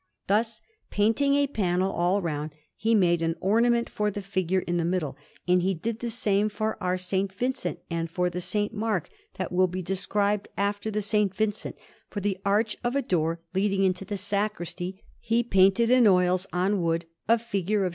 Thus, painting a frame all round, he made an ornament for the figure in the middle; and he did the same for our S. Vincent, and for the S. Mark that will be described after the S. Vincent. For the arch of a door leading into the sacristy, he painted in oils, on wood, a figure of S.